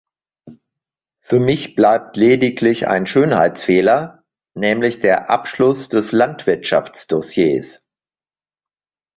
Für mich bleibt lediglich ein Schönheitsfehler, nämlich der Abschluss des Landwirtschaftsdossiers.